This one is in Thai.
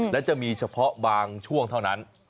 และจะมีเฉพาะบางช่วงเท่านั้น